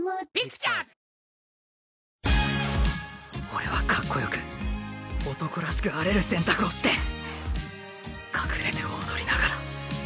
俺はかっこよく男らしくあれる選択をして隠れて踊りながら。